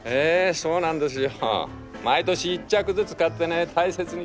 そうなんですよ。